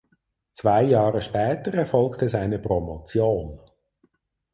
Zwei Jahre später erfolgte seine Promotion.